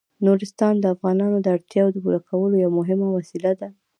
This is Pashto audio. نورستان د افغانانو د اړتیاوو د پوره کولو یوه مهمه وسیله ده.